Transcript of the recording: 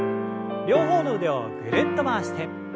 両方の腕をぐるっと回して。